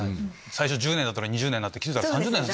最初１０年だったのに２０年になって気付いたら３０年。